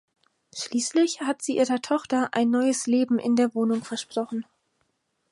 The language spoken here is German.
Schließlich hat sie ihrer Tochter ein neues Leben in der Wohnung versprochen.